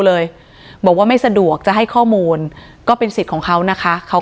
เลยบอกว่าไม่สะดวกจะให้ข้อมูลก็เป็นสิทธิ์ของเขานะคะเขา